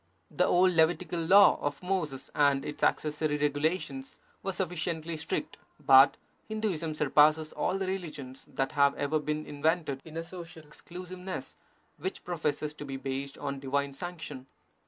The old Levitical Law of Moses and its accessory regulations were sufficiently strict, but Hinduism surpasses all the religions that have ever been invented in a social exclusiveness which professes to be based on divine sanction.